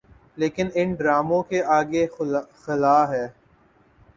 لیکن ان ڈراموں کے آگے ایک خلاہے۔